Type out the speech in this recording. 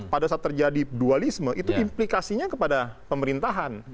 pada saat terjadi dualisme itu implikasinya kepada pemerintahan